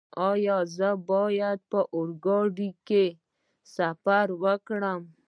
ایا زه باید په اورګاډي کې سفر وکړم؟